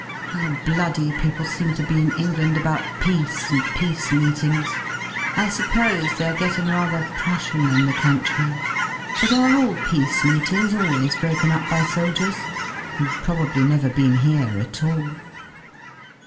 How bloody people seem to be in England " ^about peace and peace meetings. I suppose they are getting A rather Prussian in the country, but are all peace meetings always broken up by soldiers (who've probably never been ^ here at all)?